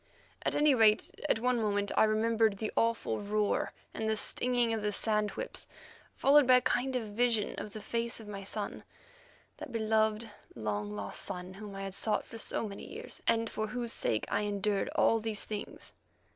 At any rate, at one moment I remembered the awful roar and the stinging of the sand whips, followed by a kind of vision of the face of my son—that beloved, long lost son whom I had sought for so many years, and for whose sake I endured all these things.